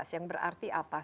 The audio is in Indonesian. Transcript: yang berarti apa